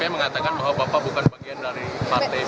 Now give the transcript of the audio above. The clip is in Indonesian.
bdip mengatakan bahwa bapak bukan bagian dari partai bdip lagi